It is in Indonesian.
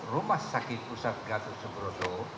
rumah sakit pusat gatot subroto